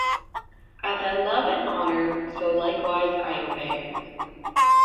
As I love and honour, so likewise I obey.